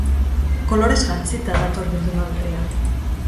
Kolorez jantzita dator bilduma berria.